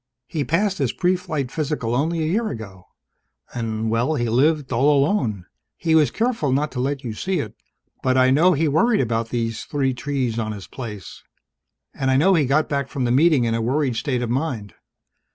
"He passed his pre flight physical only a year ago. And well, he lived all alone. He was careful not to let you see it, but I know he worried about these three trees on his place. And I know he got back from the Meeting in a worried state of mind.